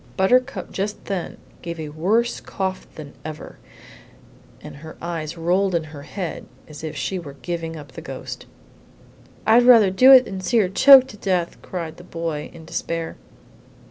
Buttercup just then gave a worse cough than ever, and her eyes rolled in her head as if she were giving up the ghost. "I'd rather do it than see her choke to death!" cried the boy, in despair.